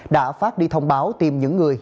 đã phát đi thông báo tìm những người